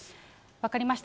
分かりました。